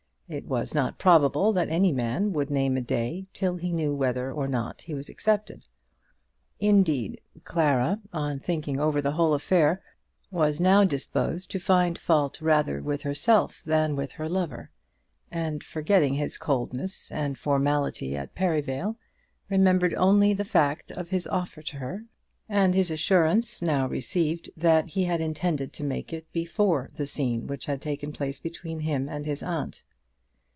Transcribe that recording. It was not probable that any man would name a day till he knew whether or not he was accepted. Indeed, Clara, on thinking over the whole affair, was now disposed to find fault rather with herself than with her lover, and forgetting his coldness and formality at Perivale, remembered only the fact of his offer to her, and his assurance now received that he had intended to make it before the scene which had taken place between him and his aunt.